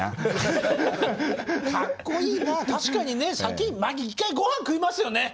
確かに先１回ごはん食いますよね。